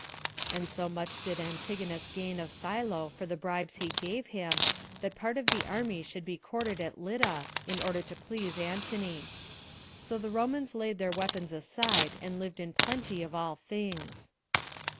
And so much did Antigonus gain of Silo for the bribes he gave him, that part of the army should be quartered at Lydda, in order to please Antony. So the Romans laid their weapons aside, and lived in plenty of all things.